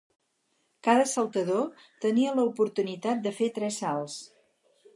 Cada saltador tenia l'oportunitat de fer tres salts.